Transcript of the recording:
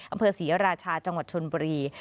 อำเภอศรีราชาจังหวัดชนบุรี